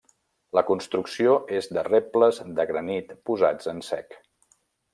La construcció és de rebles de granit posats en sec.